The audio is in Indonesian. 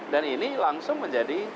dan ini langsung menjadi